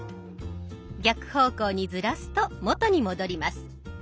逆方向にずらすと元に戻ります。